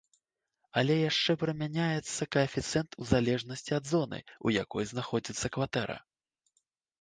Але яшчэ прымяняецца каэфіцыент у залежнасці ад зоны, у якой знаходзіцца кватэра.